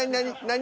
何？